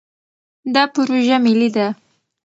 دا پروژه ملي ده.